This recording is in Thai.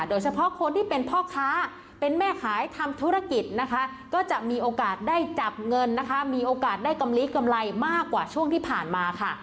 โดยเฉพาะคนที่เป็นพ่อค้าเป็นแม่ขายทำธุรกิจนะคะก็จะมีโอกาสได้จับเงินนะคะมีโอกาสได้กำลีกำไรมากกว่าช่วงที่ผ่านมาค่ะ